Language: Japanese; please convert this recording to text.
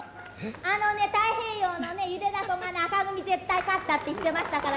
あのね太平洋のゆでだこが紅組、絶対勝ったって言ってましたから。